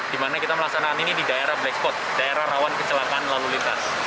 di mana kita melaksanakan ini di daerah black spot daerah rawan kecelakaan lalu lintas